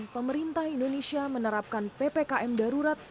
pemerintah indonesia menerapkan ppkm darurat